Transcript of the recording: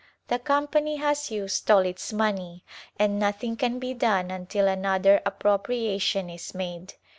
The company has used all its money and nothing can be done until another appropriation is made.